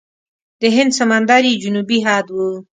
د هند سمندر یې جنوبي حد و.